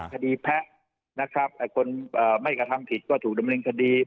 คดีแพะนะครับคนเอ่อไม่กระทำผิดก็ถูกดำลิงคดี